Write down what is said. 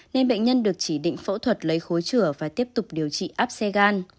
nên bệnh nhân được chỉ định phẫu thuật lấy khối rửa và tiếp tục điều trị áp xe gan